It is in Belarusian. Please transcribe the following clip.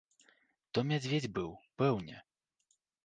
То мядзведзь быў, пэўне.